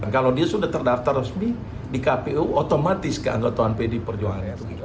kalau dia sudah terdaftar resmi di kpu otomatis keanggotaan pdi perjuangan